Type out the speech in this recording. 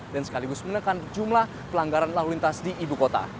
dan sekaligus menekan jumlah pelanggaran lalu lintas di ibu kota